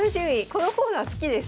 このコーナー好きです。